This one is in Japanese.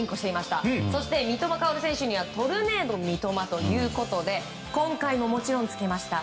そしてに外間薫選手にはトルネード三笘ということで今回も、もちろんつけました。